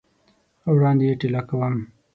وړاندي یې ټېله کوم !